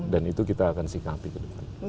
itu kita akan sikapi ke depan